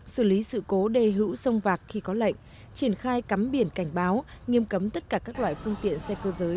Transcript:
xử lý sự cố đề hữu sông vạc khi có lệnh triển khai cắm biển cảnh báo nghiêm cấm tất cả các loại phương tiện xe cơ giới